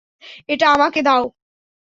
এটা আমাকে দাও!